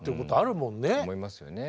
思いますよね。